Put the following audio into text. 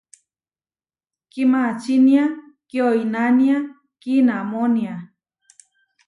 Kimačínia kioinánia kiinamónia.